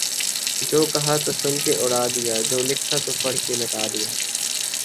جو کہا تو سن کے اڑا دیا جو لکھا تو پڑھ کے مٹا دیا